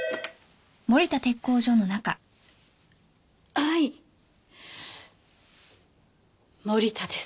はい森田です。